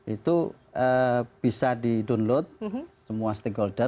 itu bisa di download semua stakeholder